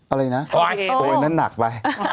อะไรนะตัวอนั้นหนักอ่ะ